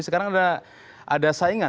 sekarang ada saingan